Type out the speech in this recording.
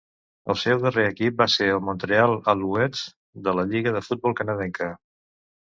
El seu darrer equip va ser el Montreal Alouettes de la Lliga de futbol canadenca.